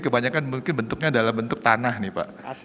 kebanyakan mungkin bentuknya dalam bentuk tanah nih pak